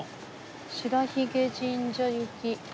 白鬚神社行き。